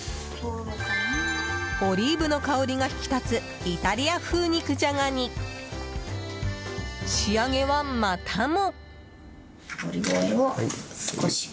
オリーブの香りが引き立つイタリア風肉じゃがに仕上げは、またも。